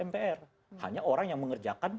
mpr hanya orang yang mengerjakan